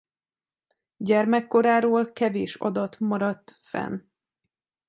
Gyermekkoráról kevés adat maradt fenn.